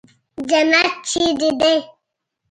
جنت چېرته دى.